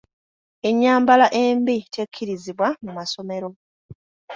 Ennyambala embi tekkirizibwa mu masomero.